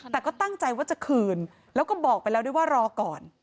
แต่ก็ตั้งใจว่าจะคืนแล้วก็บอกไปแล้วด้วยว่ารอก่อน